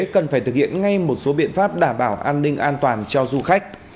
cần phải thực hiện ngay một số biện pháp đảm bảo an ninh an toàn cho du khách